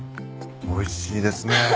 おいしいですね。